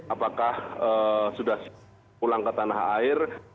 apakah sudah pulang ke tanah air